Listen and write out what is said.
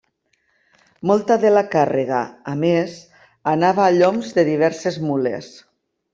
Molta de la càrrega, a més, anava a lloms de diverses mules.